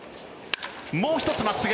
もう１つ、真っすぐ。